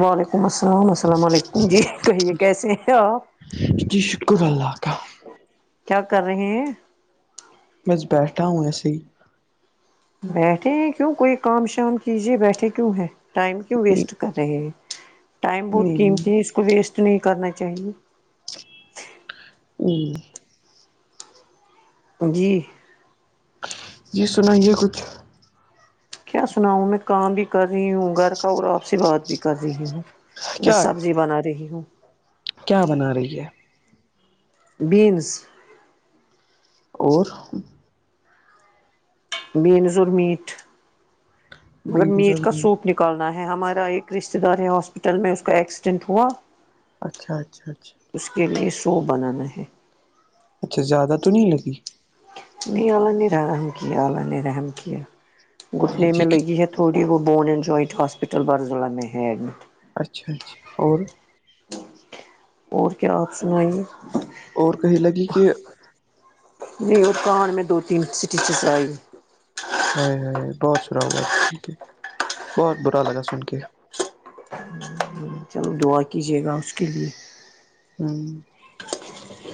وعلیکم السلام علیکم جی کہیے کیسے ہیں اپ ات شکر اللہ کااں کیا کر رہے ہیں میںس بیٹھا ہوں ایسے ہی بیٹھے ہیں کیوں کوئی کام شام کیجیے بیٹھے کیوں ہے ٹائم کیوں نہیں ویسٹ کر رہے ٹائم بہت نہیں قیمتی ہے اس کو ویسٹ نہیں کرنا چاہیے ہوں جی یہ سنا یہ کچھ کیا سناؤوں میں کام بھی کر رہی ہوں گھر کا اور آپ سے بات بھی کر رہی ہوں میں کیا سبزی بنا رہی ہوں کیا بنا رہی ہے بینس اور بینز اور میٹ مگر بینز میٹ اور کا نہیں سوپ ن نکالنا ہے ہمارا ایک رشتے دار ہے ہاسپٹل میں اس کا ایکسیڈینٹ ہوا اچھا اچھا اچھا اس کے لیے سو بنانا ہے اچھا زیادہ تو نہیں لگی جی اللہ نے رحم کیا جی جی اسی لیے تھوڑی وہو bone and joint hospital Barzulla میں ہے ایڈمٹ اچھا اچھا اور اور کیا آپشن ہوئیے اور کہی لگی کہ یہ پان میں دو تین سٹی سےز آئی ہاں ہاں بہت سرا ہوا سن کے بہت برا لگا سن کے چلو دعا کیجیے گا اس کے لیے ہاں [inaudible]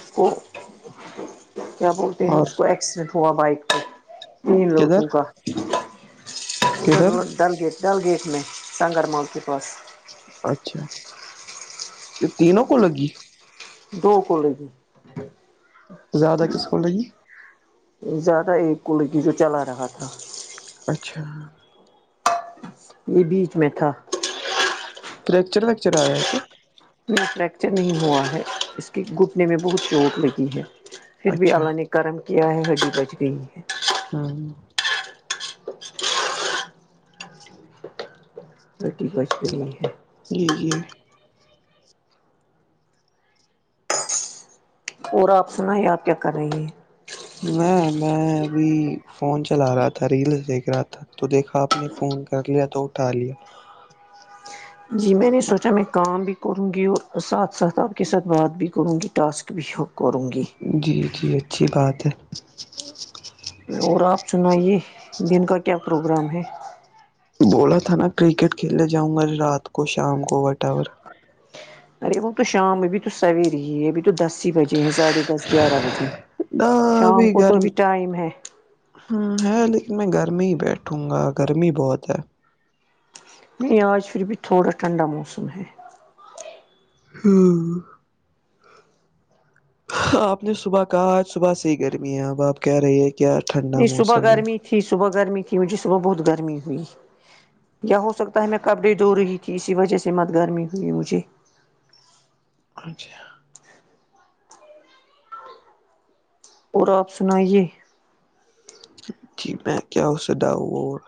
اس کو کیا بولتے ہیں اور اس کو ایکسیڈنٹ ہوا بائک پہ تین کدھر لوڑکک ادھر کدھر ڈل گیٹ ڈل گیٹ میں سنگر مال کے پاس اچھا تینوں کو لگی دو کلے کیی زیادہ کسکول رہی ہے زیادہ ایک کو لڑکی تو چلا رہا تھا اچھا یہ بیچ میں تھا کریکچر ویکچر آیا ہے کیا میں فریکچر نہیں ہوا ہے اس کے گھٹنے میں بہت چوٹ لگی ہے پھر بھی اچھا آلہ نے کرم کیا ہے ہڈی بچ گئی ہے ہاں تھرٹی بچ گئی ہے جی جی اور آپ سن ہے آپ کیا کر رہی ہیں میں میں ابھی فون چلا رہا تھا ریلس دیکھ رہا تھا تو دیکھا آپ نے فون کر لیا تو اٹھا لیا جی میں نے سوچا میں کام بھی کروں گی اور ساتھ ساتھ آپ کے ساتھ بات بھی کروں گی ٹاسک بھی ہو کرورنگی جی جی اچھی بات ہے اور آپ سنائیے دن کا کیا پروگرام ہے بولا تھا نا کرکٹ کھیلنے جاؤں گا رات کو شام کو وٹاور اچ ارے وہ تو شام ابھی تو سویر ہی ہے ابھی تو دس ہی بجے ہیں ساڑھے دس گیارہ بجے شام ابھی کو گھر تو بھی ٹائم ہے ہے لیکن میں گھر میں ہی بیٹھوں گا گرمی بہت ہے نہیں آج پھر بھی تھوڑا ٹھنڈا موسم ہے ہوں آپ نے صبح کہا آج صبح سےحی گرمی ہے اب آپ کہہ رہی ہیں کیا ٹھنڈا نہیں صبح موسم ہے گرمی تھی صبح گرمی تھی مجھے صبح بہت گرمی ہوئی یا ہو سکتا ہے میں کپڑے دھ رہی تھی اسی وجہ سے مت گرمی ہوئی مجھے اچھا اور آپ سنائیے جی میں کیا ہو س داؤ اور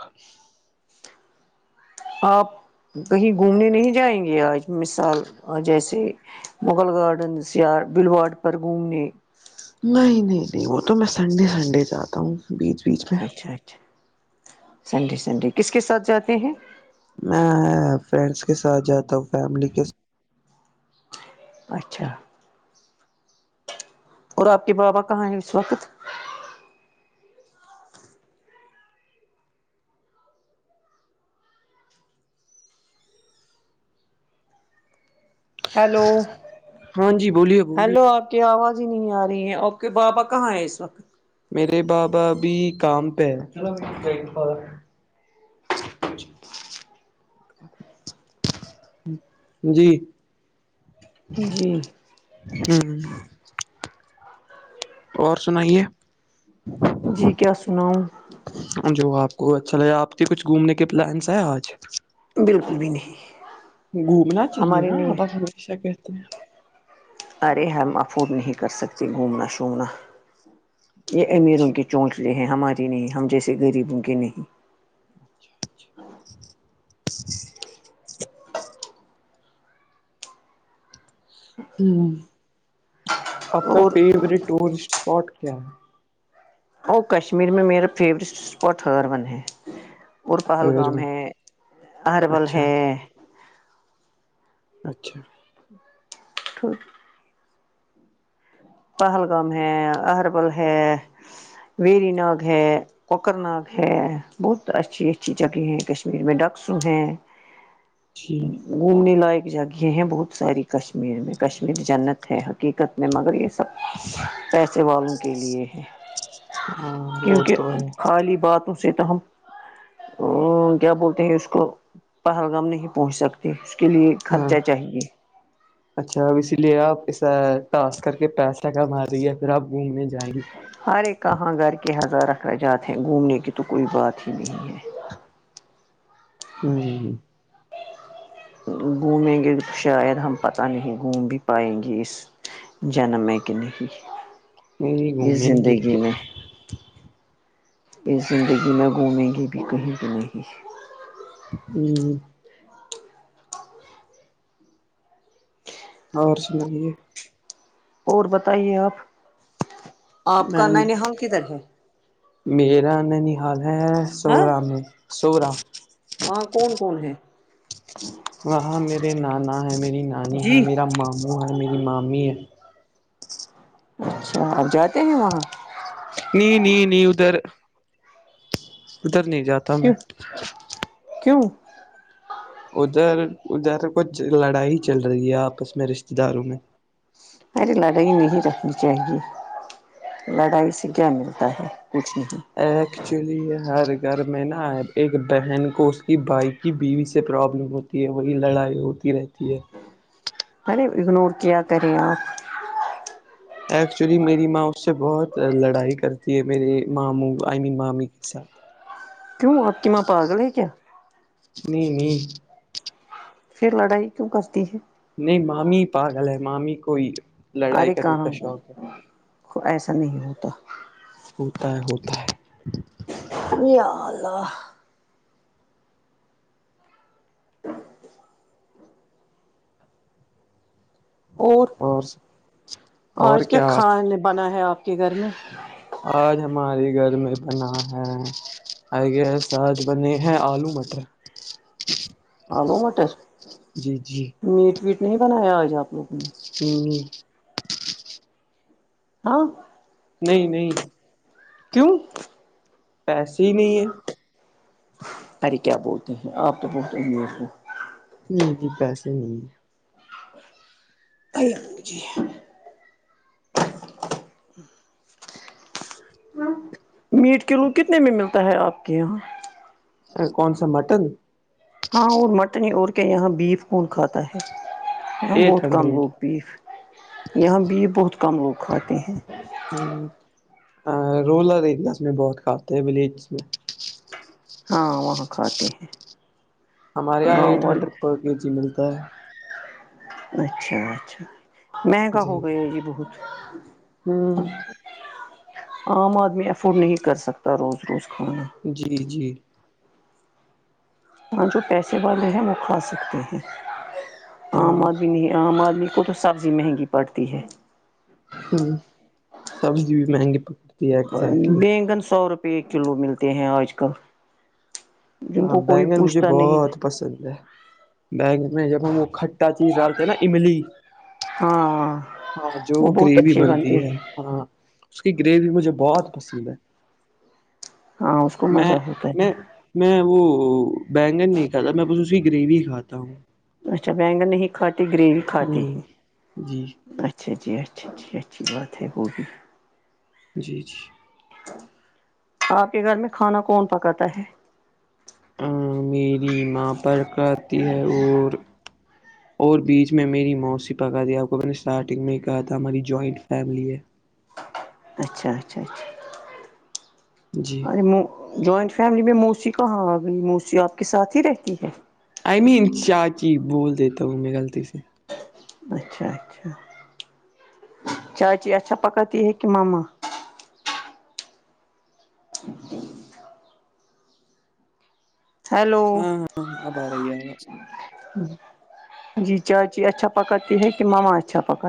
آپ کہیں گھومنے نہیں جائیں گے آج مثال جیسے مغل گارڈنز یا بلواڑ پر گھومنے نہیں نہیں نہیں وہ تو میں سنڈے سنڈے جاتا ہوں بیچ بیچ میں اچھا اچھا سنڈے سنڈے کس کے ساتھ جاتے ہیں میں فرینڈس کے ساتھ جاتا ہوں فیملی کے اچھا اور آپ کے بابا کہاں ہے اس وقت ہیلو ہاں جی بولیے بولیے کہ آواز ہی نہیں آ رہی ہے اوکے بابا کہاں ہے اس وقت میرے بابا ا بھیھی کام پہ ہے اچھ جی جی ہوں اور سنائیے جی کیا سناؤ جو آپ کو اچھا لگےا آپ کے کچھ گھومنے کے پلانس ہے آج بالکل بھی نہیں گھومنا چاہیے ہمارے نا لیے آپ آپ ہمیشہ کہتے ہیں ارے ہم افورڈ نہیں کر سکتے گھومنا شومنا یہ اچھا امیروں اچھا کی چونچ لے ہیں ہماری نہیں ہم جیسے غریبوں کے نہیں اچا ہ آپ کا اور فیورٹ ٹورسٹ اسپاٹ کیا ہے اور کشمیر میں میرا فیورٹ اسپاٹ ہر ون ہے اور پہلگام ہے اربول اچھا ہے اچھا تو پہلگام ہے اہربل ہے ویری ناگ ہے کوکر ناگ ہے بہت اچھی اچھی جگہ ہیں کشمیر میں ڈاکسو ہیں ج ٹھیک گھومنے لائق جگہیں ہیں بہت ساری کشمیر میں کشمیر جنت ہے حقیقت میں مگر یہ پیسے والوں کے لیے ہے ہاں وہ کیونکہ تو ہے خالی باتوں سے تو ہم ا کیا بولتے ہیں اس کو پہلگام نہیں پہنچ سکتا اس کے لیے ہاں خرچہ چاہیے اچھا اب اسی لیے آپ اسا ٹاسک کر کے پیسہ کما رہیے پھر آپ گھومنے جائیں گے ہرے کہاں گھر کے ہزار اخراجات ہیں گھومنے کی تو کوئی بات ہی نہیں ہے ہوں گھومیں گے شاید ہم پتہ نہیں گھوم بھی پائیں گے اس جنم ہے کہ نہیں نہیں اس گھومیں گے زندگی کیا میں یہ زندگی نہ گھومیں گے بھی کہیں بھی نہیں ہی اور سنائیے اور بتائیے آپ آپ میں کا نین حال کدھر ہے میرا ننحال ہے ہاں سوورہ میں سوورا وہاں کون کون ہے ہاں میرے نانا ہے میری نانی ہے جی میرا ماموں ہے میری مامی ہے اچھا آپ جاتے ہیں وہاں نہیں نہیں نہیں ادھر ادھر نہیں جاتا کی میں کیوں ادھر ادھر کچھ لڑائی چل رہی ہے آپس میں رشتے داروں میں ارے لڑائی نہیں رکھنی چاہیے لڑائی اس سے کیا ملتا ہے کچھ نہیں ایکچولی ہر گھر میں نا ایک بہن کو اس کی بائک کی بیوی سے پرابلم ہوتی وہی لڑائی ہوتی رہتی ہے میں نے اگنور کیا کریں آپ ایکچولی میری ماں اس سے بہت لڑائی کرتی ہے میرے ماموں آئی می مامی کے ساتھ کیوں آپ کے ما پاگل ہے کیا نہیں نہیں پھر لڑائی کیوں کرتی ہے نہیں مامی پاگل ہے مامی کوئی لڑائی ارے کرنے کہاں کا شوق ہے ایسا نہیں ہوتا ہوتا ہے ہوتا ہے یالہلہ ہاں اور آج کیا کھانے بنا ہے آپ کے گھر میں آج ہمارے گھر میں بنا ہے آے ساج بنی ہ آلو مٹر آ لو م جی جی میٹ ویٹ نہیں بنایا آج آپ لوگ نے ہوں ہاں نہیں نہیں کیوں پیسے ہی نہیں ہے ارے کیا بولتے ہیں آپ تو بولتے ہیں میں نہیں نہیں بسے نہیں پی جی میٹ کلو کتنے میں ملتا ہے آپ کے یہاں ا کون سا مٹن ہاں اور مٹن اور کے یہاں بیف کون کھاتا ہے یہاں ایٹ بہت کم ہنڈریڈ لوگ بی یہاں بھیف بہت کم لوگ کھاتے ہیں ہ رورل ایریاز میں بہت کھاتے ہیں ولیجز میں ہاں وہاں کھاتے ہیں ہمارے یہاں گاؤں ایٹ والے ہنڈریڈ پر کے جی ملتا ہے اچھا اچھا مہنگا ہو گیا ہے جی بہت ہوں عام آدمی افورڈ نہیں کر سکتا روز روز کھانا جی جی ہاں جو پیسے والے ہیں وہ کھا سکتے ہیں ہاں عام آدمی نہیں عام آدمی کو تو سبزی مہنگی پڑتی ہے ہوں سبزی بھی مہنگی پک بیگن سو روپئے ایک کلو ملتے ہیں آج کل جن ہاں کو کوئی بینگن مجھے پوچھتا نہیں بہت پسند ہے بیگ میں جب ہم وہ کھٹا چیز ڈالتے ہیں نا املی ہاں آاں جو وہ بہت گریوی اچھے بنتی بنتے ہیں ہے ہاں اس کی گریوی مجھے بہت پسند ہے ہاں اس کو میں مزہ ہوتا ہے میں میں وہ بینگن نہیں کھاتا میں بس اس کی گریوی کھاتا ہوں اچھا بینگن نہیں کھات گریوی کھاتاتی ہی نہیں جی اچھا جی اچھا جی اچھی بات ہے وہ بھی جی جی آپ کے گھر میں کھانا کون پکاتا ہے میری ماں پر کہتی ہے اور اور بیچ میں میری موتسیی پکا دی آپ کو میں نے اسٹارٹنگ میں ہی کہا تھا ہماری جوائنٹ فیملی ہے اچھا اچھا اچھا جی اور جوائنٹ فیملی میں موسی کہاں آ گئی موسی آپ کے ساتھ ہی رہتی ہے آئی مین چاچی بول دیتا ہوں میں غلطی سے اچھا اچھا چاچی اھا پک ت ہے کہ ماما ہیلو ہاں ہاں ہاں اب آ رہی ہے بس ہاں جی چاچی اچھا پکت ت ہے کہ مما اچھا پکا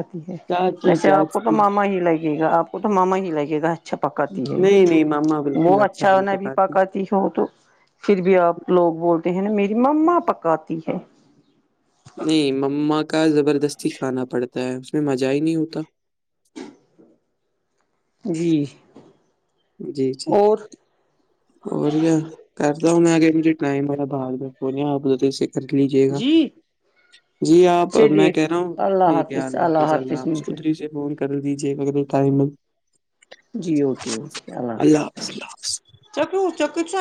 چاچی ویسے آپ کو تو چاچی ماما ہی لگے گا آپ کو تو ماما ہی لگے گا اچھا پکاتی ہے نہیں نہیں مما وہ بالکل اچھا نہیں ن بھی پکاتی ہ تو پھر بھی آپ لوگ بولتے ہیں نا میری مما پکاتی ہے نہیں مما کا زبردستی کھانا پڑتا ہے اس میں مزہ ہی نہیں ہوتا جی جی جی اور اوروریا کرتا ہوں میں آگ مجھے ائم میرا باغ آپ سے کر لیجیے گا جی جی آپ میں چلیے کہہ رہا ہوں اللہ ٹھیک ہے حافظ اللہ حفظ اللہ حافظ آپ مجھے سدھری سے فون کر دیجیے ایرے ٹائم جی اوکے اوکے اللہ حافظ اللہ حافظ حافظ